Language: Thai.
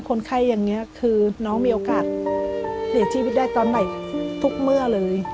คนไข้อย่างนี้คือน้องมีโอกาสเสียชีวิตได้ตอนใหม่ทุกเมื่อเลย